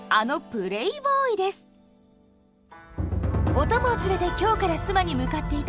お供を連れて京から須磨に向かっていた